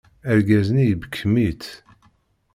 Argaz-nni ibekkem-itt.